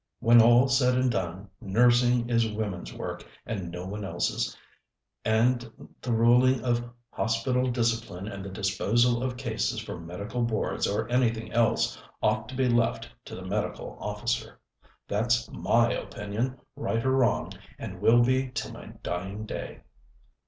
"When all's said and done, nursing is women's work and no one else's, and the ruling of hospital discipline and the disposal of cases for Medical Boards, or anything else, ought to be left to the Medical Officer. That's my opinion, right or wrong, and will be till my dying day."